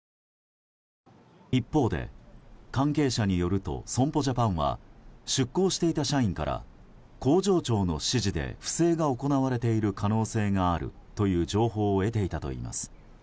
一方で、関係者によると損保ジャパンは出向していた社員から工場長の指示で不正が行われている可能性があるという情報を得ていたといいます。